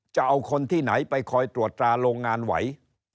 จะเอาคนที่ไหนไปคอยตรวจตราโรงงานไหว